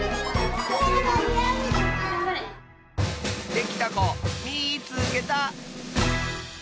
できたこみいつけた！